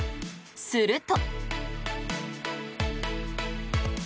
すると。